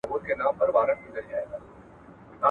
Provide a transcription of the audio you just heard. کمپيوټر ميوټ کېږي.